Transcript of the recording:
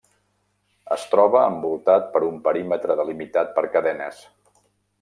Es troba envoltat per un perímetre delimitat per cadenes.